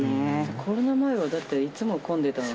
コロナ前は、だって、いつも混んでたのに。